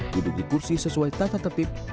duduk di kursi sesuai tata tertib